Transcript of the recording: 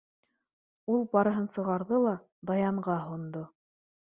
Ул барыһын сығарҙы ла, Даянға һондо.